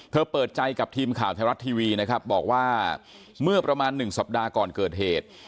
เปิดใจกับทีมข่าวไทยรัฐทีวีนะครับบอกว่าเมื่อประมาณ๑สัปดาห์ก่อนเกิดเหตุ